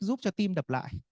giúp cho tim đập lại